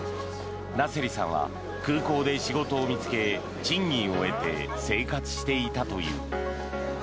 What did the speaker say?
ナセリさんは空港で仕事を見つけ賃金を得て生活していたという。